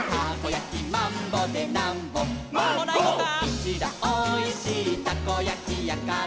「うちらおいしいたこやきやから」